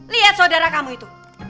lihat saudara kamu itu